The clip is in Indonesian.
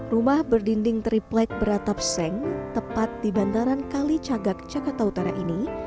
rumah berdinding triplek beratap seng tepat di bantaran kali cagak jakarta utara ini